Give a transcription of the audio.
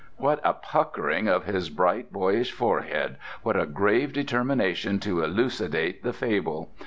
What a puckering of his bright boyish forehead, what a grave determination to elucidate the fable!